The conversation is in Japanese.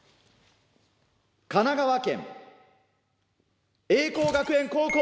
神奈川県栄光学園高校